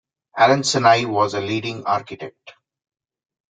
Allen Sinai was a leading architect.